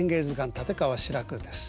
立川志らくです。